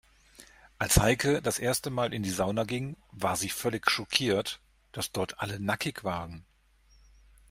Als Heike das erste Mal in die Sauna ging, war sie völlig schockiert, dass dort alle nackig waren.